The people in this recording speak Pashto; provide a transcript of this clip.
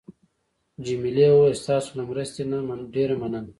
جميلې وويل: ستاسو له مرستې نه ډېره مننه.